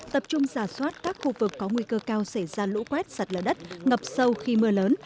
tập trung giả soát các khu vực có nguy cơ cao xảy ra lũ quét sạt lở đất ngập sâu khi mưa lớn